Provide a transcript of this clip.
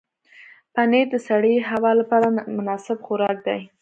پنېر د سړې هوا لپاره مناسب خوراک دی.